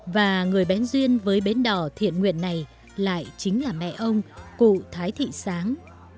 và người bén duyên với bến đỏ thiện nguyện này lại chính là mẹ ông cụ thái thị sáng